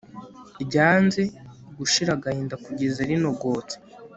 ryanze gushira agahinda kugeza rinogotse